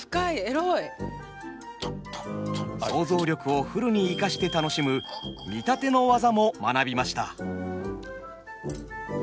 想像力をフルに生かして楽しむ「見立て」の技も学びました。